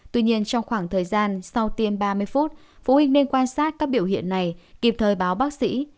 tuy nhiên trong khoảng thời gian sau tiêm ba mươi phút phụ huynh nên quan sát các biểu hiện này kịp thời báo bác sĩ